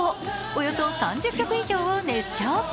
およそ３０曲以上を熱唱。